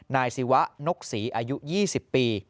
นายศิวะนกศรีอายุ๒๐ปี